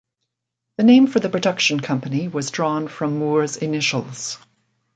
The name for the production company was drawn from Moore's initials.